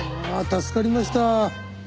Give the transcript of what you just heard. ああ助かりました。